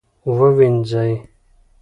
ووینځئ